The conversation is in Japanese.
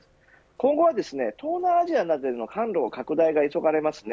今後はですね、東南アジアなどへの販路の拡大が急がれますね。